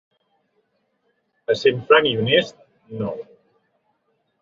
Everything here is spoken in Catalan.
Essent franc i honest, no.